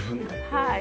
はい。